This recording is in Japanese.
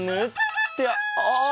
ってあれ？